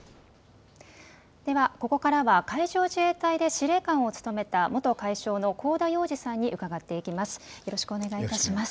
ここからは海上自衛隊で司令官を務めた元海将の香田洋二さんに伺っていきます。